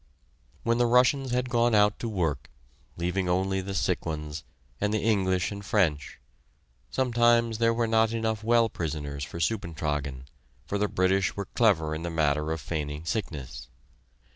When the Russians had gone out to work, leaving only the sick ones, and the English and French, sometimes there were not enough well prisoners for "Suppentragen," for the British were clever in the matter of feigning sickness.